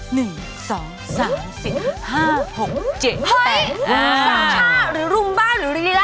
เฮ้ย๓ท่าหรือรุมบ้าหรือลีลีล่า